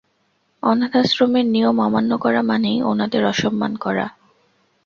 অনাথআশ্রমের নিয়ম অমান্য করা মানেই ওনাদের অসম্মান করা।